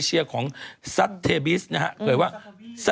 ที่สาธิบิสนะครับ